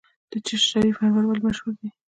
د چشت شریف مرمر ولې مشهور دي؟